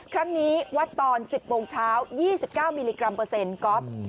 ครั้งนี้วัดตอน๑๐โมงเช้า๒๙มิลลิกรัมเปอร์เซ็นต์ก๊อฟ